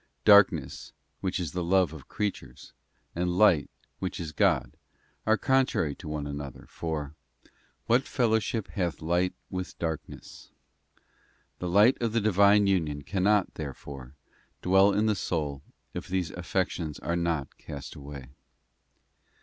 Darkness, which is the love of creatures, and light, which is God, are contrary to one another, for ' What fellow ship hath light with darkness?'t The light of the Divine ~ union cannot, therefore, dwell in the soul if these affections are not cast away.